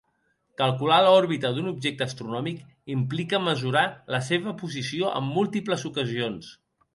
Calcular l'òrbita d'un objecte astronòmic implica mesurar la seva posició en múltiples ocasions.